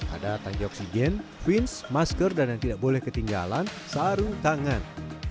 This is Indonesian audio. ada tangki oksigen fins masker dan yang tidak boleh ketinggalan sarung tangan